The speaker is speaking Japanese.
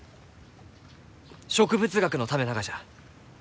植物学のためながじゃ！